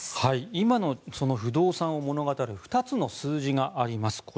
今の不動産を物語る２つの数字があります。